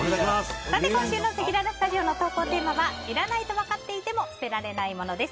今週のせきららスタジオの投稿テーマはいらないとわかっていても捨てられないものです。